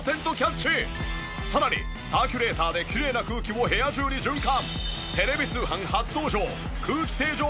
さらにサーキュレーターできれいな空気を部屋中に循環。